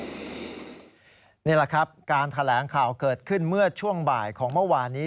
นี่แหละครับการแถลงข่าวเกิดขึ้นเมื่อช่วงบ่ายของเมื่อวานนี้